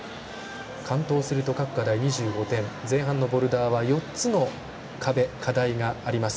完登すると各課題２５点、前半のボルダーは４つの壁、課題があります。